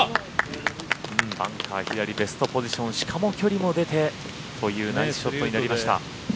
バンカー左ベストポジションしかも距離も出てというナイスショットになりました。